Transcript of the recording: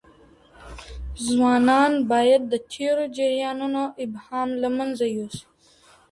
ځوانان بايد د تېرو جريانونو ابهام له منځه يوسي.